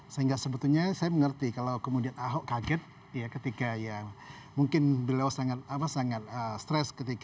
sehingga sebetulnya saya mengerti kalau kemudian ahok kaget ketika ya mungkin beliau sangat stres ketika